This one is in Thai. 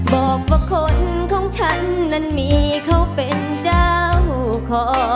บอกว่าคนของฉันนั้นมีเขาเป็นเจ้าขอ